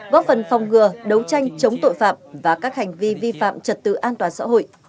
góp phần phòng ngừa đấu tranh chống tội phạm và các hành vi vi phạm trật tự an toàn xã hội